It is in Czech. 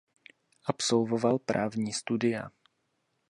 Absolvoval právní studia.